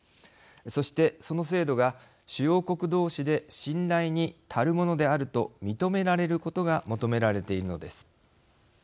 そしてその制度が主要国同士で信頼に足るものであると認められることが求められているのです。